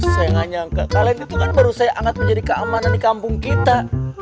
saya nggak nyangka kalian itu kan baru saya angkat menjadi keamanan di kampung kita